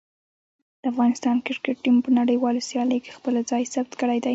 د افغانستان کرکټ ټیم په نړیوالو سیالیو کې خپله ځای ثبت کړی دی.